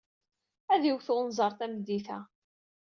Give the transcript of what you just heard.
Ad d-iwet wenẓar tameddit-a.